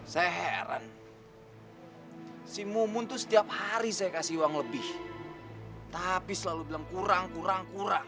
saya heran si mumun itu setiap hari saya kasih uang lebih tapi selalu bilang kurang kurang kurang